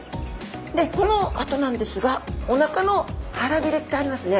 でこのあとなんですがおなかの腹びれってありますね。